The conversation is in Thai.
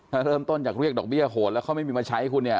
ถ้าเริ่มต้นจากเรียกดอกเบี้ยโหดแล้วเขาไม่มีมาใช้คุณเนี่ย